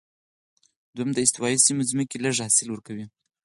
دویم، د استوایي سیمو ځمکې لږ حاصل ورکوي.